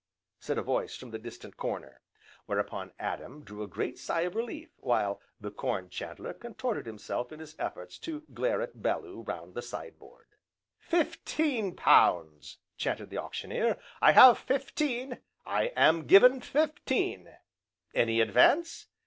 said a voice from the distant corner; whereupon Adam drew a great sigh of relief, while the Corn chandler contorted himself in his efforts to glare at Bellew round the side board. "Fifteen pounds!" chanted the Auctioneer, "I have fifteen, I am given fifteen, any advance?